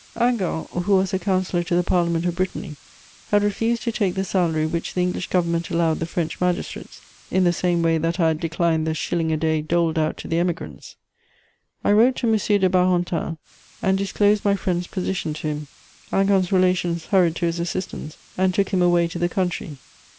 Hingant, who was a counsellor to the Parliament of Brittany, had refused to take the salary which the English Government allowed the French magistrates, in the same way that I had declined the shilling a day doled out to the Emigrants: I wrote to M. de Barentin and disclosed my friend's position to him. Hingant's relations hurried to his assistance and took him away to the country.